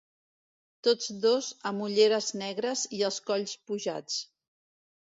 Tots dos amb ulleres negres i els colls pujats.